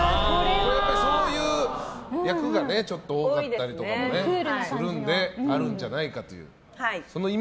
そういう役が多かったりとかもするのであるんじゃないかと。